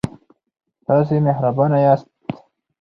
تاسې مهربانه یاست.